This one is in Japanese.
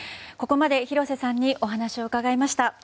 ここまで廣瀬さんにお話を伺いました。